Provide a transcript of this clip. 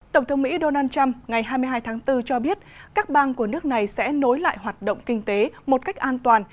tổng thống mỹ donald trump ngày hai mươi hai tháng bốn cho biết các bang của nước này sẽ nối lại hoạt động kinh tế một cách an toàn